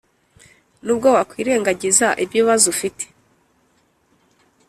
Nubwo wakwirengagiza ibibazo ufite